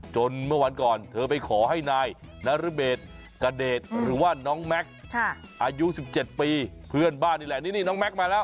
เมื่อวันก่อนเธอไปขอให้นายนรเบศกระเดชหรือว่าน้องแม็กซ์อายุ๑๗ปีเพื่อนบ้านนี่แหละนี่น้องแม็กซมาแล้ว